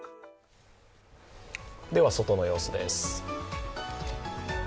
では、外の様子です。